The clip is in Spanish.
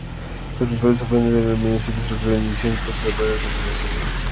Los principales afluentes del Minnesota se recogen, en dirección a guas abajo, a continuación.